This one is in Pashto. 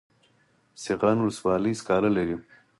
سیغان ولسوالۍ سکاره لري؟